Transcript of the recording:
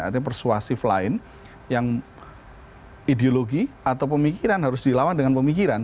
artinya persuasif lain yang ideologi atau pemikiran harus dilawan dengan pemikiran